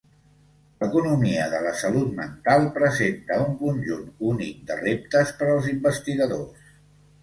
L'economia de la salut mental presenta un conjunt únic de reptes per als investigadors.